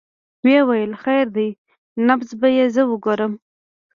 ويې ويل خير دى نبض به يې زه وګورم.